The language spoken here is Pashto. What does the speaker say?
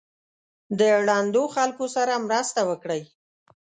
د ړندو خلکو سره مرسته وکړئ.